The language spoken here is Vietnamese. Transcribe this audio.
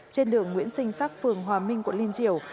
trên đường nguyễn sinh sắc phường hòa minh quận liên triều